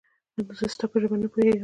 زه ستا په ژبه نه پوهېږم